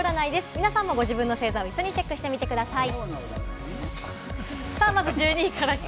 皆さんもご自分の星座を一緒にチェックしてみてください。